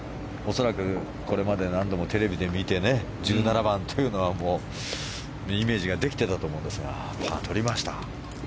恐らく、これまで何度もテレビで見てね１７番というのはイメージができていたと思うんですがパーをとりました。